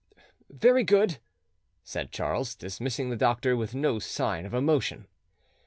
"Very good," said Charles, dismissing the doctor with no sign of emotion.